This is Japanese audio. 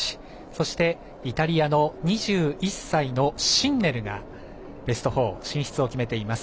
そして、イタリアの２１歳のシンネルがベスト４進出を決めています。